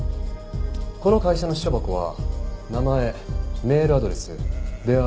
この会社の私書箱は名前メールアドレス電話番号